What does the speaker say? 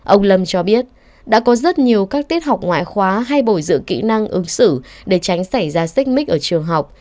ông lâm cho biết đã có rất nhiều các tiết học ngoại khóa hay bồi dưỡng kỹ năng ứng xử để tránh xảy ra xích mích ở trường học